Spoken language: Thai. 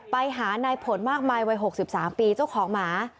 ไปหานายผลมากมายวัย๖๓ปีเจ้าของหมา